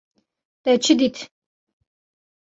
Te çi dît?